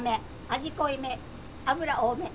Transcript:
味濃いめ。